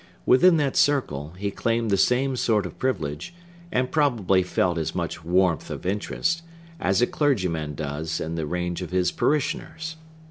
Within that circle, he claimed the same sort of privilege, and probably felt as much warmth of interest, as a clergyman does in the range of his parishioners.